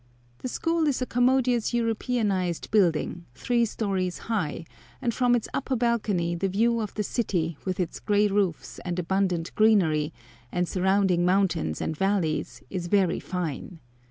The school is a commodious Europeanised building, three stories high, and from its upper balcony the view of the city, with its gray roofs and abundant greenery, and surrounding mountains and valleys, is very fine.